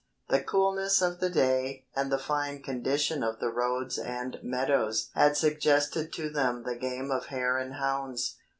The coolness of the day and the fine condition of the roads and meadows had suggested to them the game of Hare and Hounds.